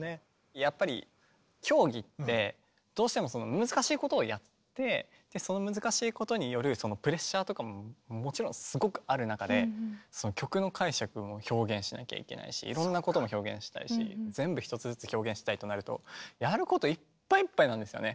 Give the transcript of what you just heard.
やっぱり競技ってどうしても難しいことをやってその難しいことによるプレッシャーとかももちろんすごくある中で曲の解釈も表現しなきゃいけないしいろんなことも表現したいし全部１つずつ表現したいとなるとやることいっぱいいっぱいなんですよね。